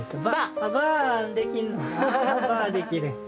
ばあできる。